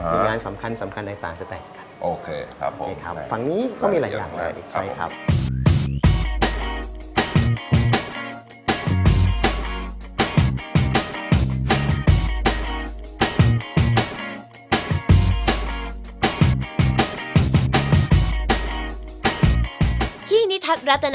มีงานสำคัญใดจะแต่งกัน